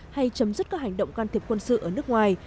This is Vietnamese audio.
hay chấm dứt các hành động can thiệp quân sự ở nước ngoài